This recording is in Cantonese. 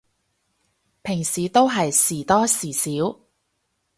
平時都係時多時少